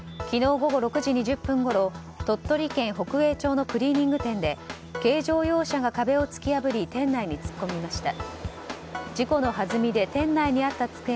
昨日、鳥取県北栄町のクリーニング店で軽乗用車が壁を突き破り店内に突っ込みました。